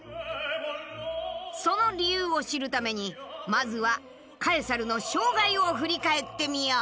その理由を知るためにまずはカエサルの生涯を振り返ってみよう。